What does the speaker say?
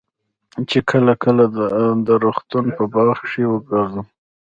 چې کله کله د روغتون په باغ کښې وګرځم.